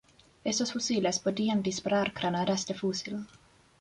Estos fusiles podían disparar granadas de fusil.